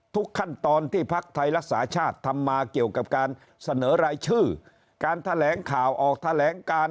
ทุกขั้นตอนที่พักไทยรักษาชาติทำมาเกี่ยวกับการเสนอรายชื่อการแถลงข่าวออกแถลงการ